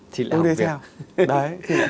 thì làm việc